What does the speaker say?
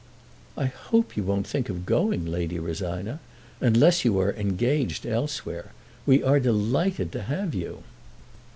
"I hope you won't think of going, Lady Rosina, unless you are engaged elsewhere. We are delighted to have you."